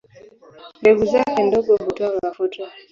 Mbegu zake ndogo hutoa mafuta.